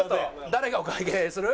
誰がお会計する？